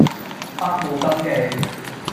百無禁忌